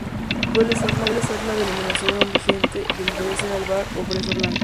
Suele ser la denominación aún vigente del brezo albar o brezo blanco.